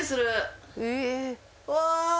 うわ！